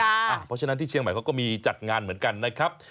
เพราะฉะนั้นที่เชียงใหม่เขาก็มีจัดงานเหมือนกันนะครับ